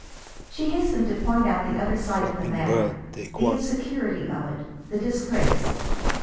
She hastened to point out the other side of the matter, the insecurity of it, the disgrace.